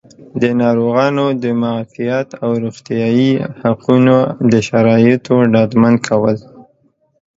د ناروغانو د معافیت او روغتیایي حقونو د شرایطو ډاډمن کول